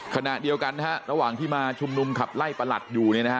ขณะเดียวกันนะฮะระหว่างที่มาชุมนุมขับไล่ประหลัดอยู่เนี่ยนะฮะ